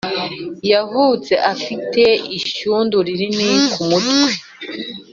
yavutse afite ishyundu rinini ku mutwe